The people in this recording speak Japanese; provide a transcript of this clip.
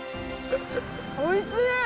おいしい！